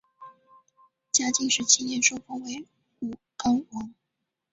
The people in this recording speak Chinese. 嘉靖十七年受封为武冈王。